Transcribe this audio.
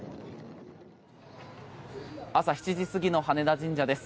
朝７時過ぎの羽田神社です。